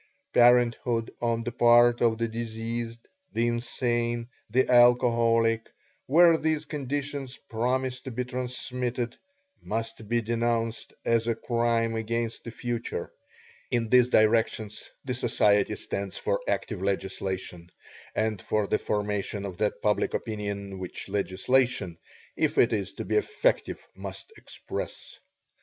Parenthood on the part of the diseased, the insane, the alcoholic where these conditions promise to be transmitted must be denounced as a crime against the future. In these directions the Society stands for active legislation, and for the formation of that public opinion which legislation, if it is to be effective, must express.